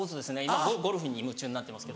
今ゴルフに夢中になってます。